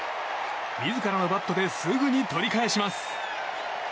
自らのバットですぐに取り返します。